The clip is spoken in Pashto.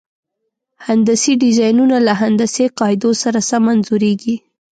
هندسي ډیزاینونه له هندسي قاعدو سره سم انځوریږي.